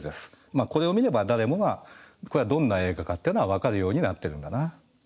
まあこれを見れば誰もがこれはどんな映画かっていうのは分かるようになってるんだな。